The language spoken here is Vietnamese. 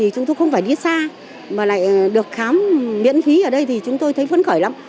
chúng tôi không phải đi xa mà lại được khám miễn phí ở đây thì chúng tôi thấy phấn khởi lắm